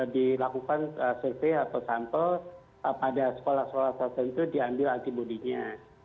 dilakukan survei atau sampel pada sekolah sekolah tertentu diambil antibody nya